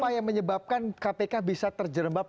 apa yang menyebabkan kpk bisa terjerembab